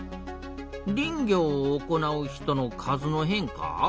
「林業を行う人の数の変化」？